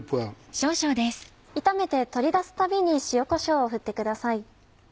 炒めて取り出すたびに塩こしょうを振ってください。